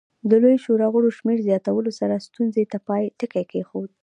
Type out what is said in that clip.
د لویې شورا غړو شمېر زیاتولو سره ستونزې ته پای ټکی کېښود.